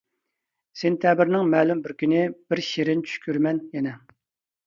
سېنتەبىرنىڭ مەلۇم بىر كۈنى، بىر شېرىن چۈش كۆرىمەن يەنە.